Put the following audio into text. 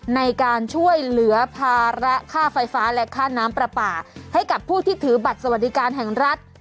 ในการช่วยเหลือภาระค่าไฟฟ้าและค่าน้ำประปาให้กับผู้ที่ถือบัตรสวัสดิการแห่งรัฐ